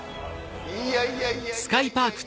いやいやいや。